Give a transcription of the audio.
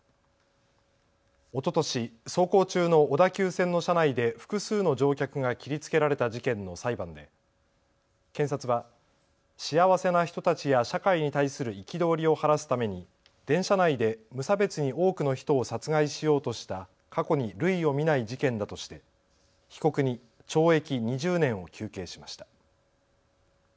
おととし走行中の小田急線の車内で複数の乗客が切りつけられた事件の裁判で検察は幸せな人たちや社会に対する憤りを晴らすために電車内で無差別に多くの人を殺害しようとした過去に類を見ない事件だとして被告に懲役２０年を求刑しました。